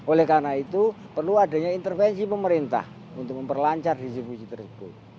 oleh karena itu perlu adanya intervensi pemerintah untuk memperlancar distribusi tersebut